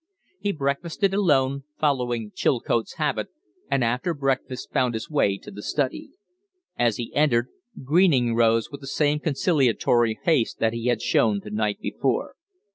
He breakfasted alone, following Chilcote's habit, and after breakfast found his way to the study. As he entered, Greening rose with the same conciliatory haste that he had shown the night before.